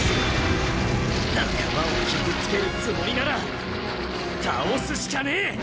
仲間を傷つけるつもりなら倒すしかねえ！